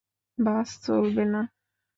বাস চলবে না!